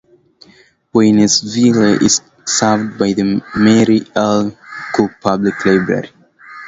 Waynesville is served by the Mary L. Cook Public Library.